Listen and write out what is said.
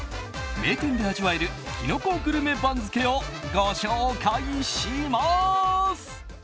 名店で味わえるキノコグルメ番付をご紹介します。